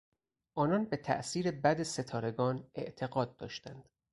آنان به تاثیر بد ستارگان اعتقاد داشتند.